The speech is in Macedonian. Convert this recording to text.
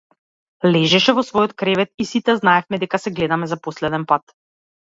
Лежеше во својот кревет и сите знаевме дека се гледаме за последен пат.